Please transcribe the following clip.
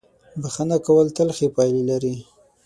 • بښنه کول تل ښې پایلې لري.